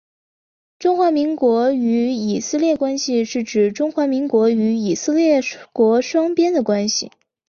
中华民国与以色列关系是指中华民国与以色列国双边的关系。